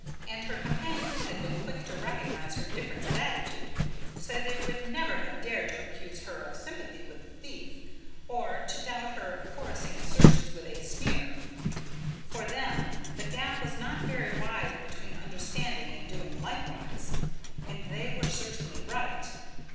And her companions had been quick to recognise her difference of attitude, or they would never have dared to accuse her of sympathy with the thief, or to doubt her chorusing assertion with a sneer. For them, the gap was not very wide between understanding and doing likewise. And they were certainly right.